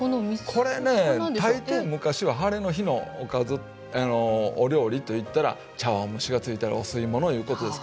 これね大抵昔はハレの日のおかずお料理といったら茶わん蒸しがついたりお吸い物いうことですけども。